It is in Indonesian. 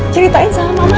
ceritain sama mama